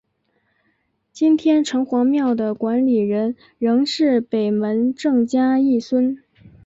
今天城隍庙的管理人仍是北门郑家裔孙。